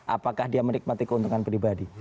apakah dia menikmati keuntungan pribadi